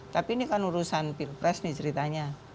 tapi ini kan urusan pilpres nih ceritanya